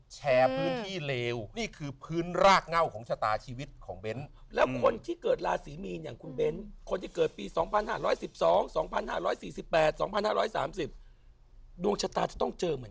เจอเหมือนเขาไหมเจอเรื่องใหญ่